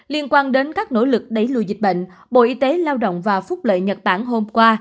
liên quan đến các nỗ lực đẩy lùi dịch bệnh bộ y tế lao động và phúc lợi nhật bản hôm qua